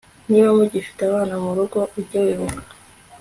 niba mugifite abana mu rugo uge wibuka